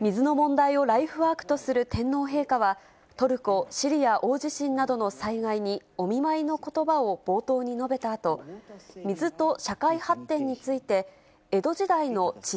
水の問題をライフワークとする天皇陛下は、トルコ・シリア大地震などの災害にお見舞いのことばを冒頭に述べたあと、全国の皆さん、こんばんは。